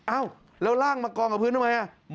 อ้าวแล้วร่างมากองกับพื้นทำไม